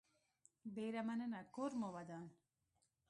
ډيره مننه کور مو ودان